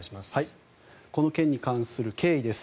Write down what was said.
この件に関する経緯です。